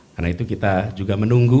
karena itu kita juga mendengarkan